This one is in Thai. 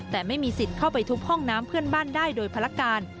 แต่ไม่มีสิทธิ์เข้าไปทุบห้องน้ำเพื่อนบ้านได้โดยภารการ